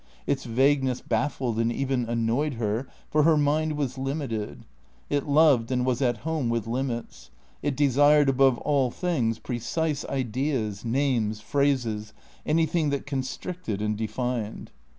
Its vagueness baffled and even annoyed her, for her mind was limited; it loved and was at home with limits; it desired above all things precise ideas, names, phrases, anything that constricted and defined.